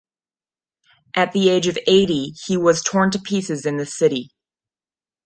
At the age of eighty, he was torn to pieces in the City.